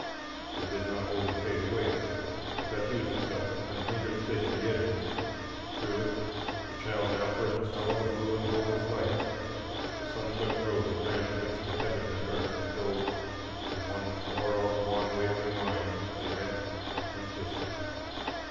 It did not wholly fade away, but diffused itself and lingered thick at the edges. Through it the child now first saw the blue and gold of life,—the sun swept road that ran 'twixt heaven and earth until in one far off wan wavering line they met and kissed.